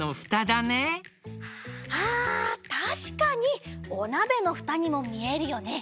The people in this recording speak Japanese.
あたしかにおなべのふたにもみえるよね。